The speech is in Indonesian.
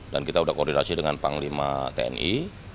dan kita sudah koordinasi dengan panglima tni